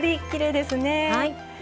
きれいですね。